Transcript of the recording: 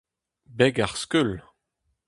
Beg ar skeul.